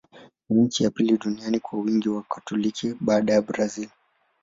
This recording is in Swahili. Ni nchi ya pili duniani kwa wingi wa Wakatoliki, baada ya Brazil.